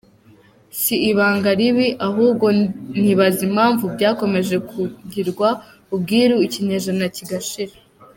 Si ibanga ribi; ahubwo nibaza impamvu byakomeje kugirwa ubwiru ikinyejana kigashira.